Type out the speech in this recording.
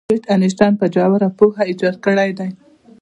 البرت انیشټین په ژوره پوهه ایجاد کړی دی.